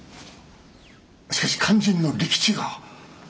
しかし肝心の利吉が。